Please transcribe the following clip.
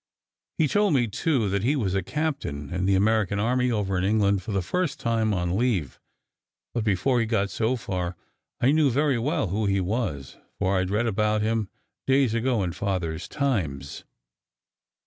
He told me, too, that he was a captain in the American army, over in England for the first time on leave; but before he got so far, I knew very well who he was, for I d read about him days ago in Father s Times.